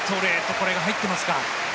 これが入ってますか？